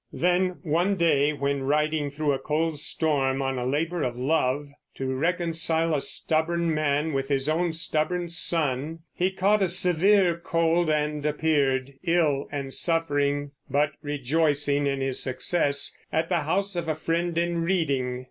Then, one day when riding through a cold storm on a labor of love, to reconcile a stubborn man with his own stubborn son, he caught a severe cold and appeared, ill and suffering but rejoicing in his success, at the house of a friend in Reading.